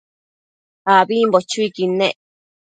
ambimbo chuiquid nec